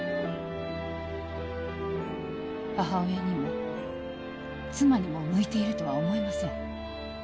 母親にも妻にも向いているとは思えません